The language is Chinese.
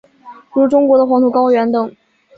如中国的黄土高原等。